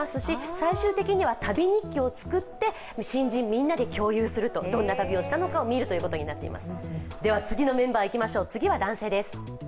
最終的には旅日記を作って新人みんなで共有するどんな旅をしたのか見ていくということになっています。